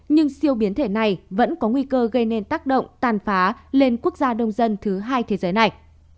nhưng siêu biến thể này vẫn có nguy cơ gây nên tác động tàn phá lên quốc gia đông dân thứ hai thế giới này